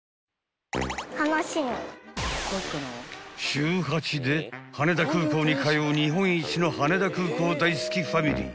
［週８で羽田空港に通う日本一の羽田空港大好きファミリー］